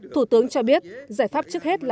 thủ tướng cho biết giải pháp trước hết là